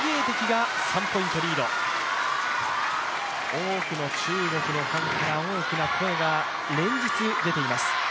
多くの中国のファンから大きな声が連日出ています。